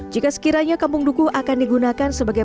jika sekiranya kampung duku akan digunakan sebagai